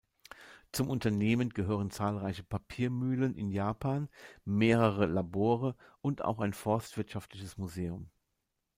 Zum Unternehmen gehören zahlreiche Papiermühlen in Japan, mehrere Labore und auch ein forstwirtschaftliches Museum.